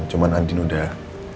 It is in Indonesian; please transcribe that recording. cuma andin udah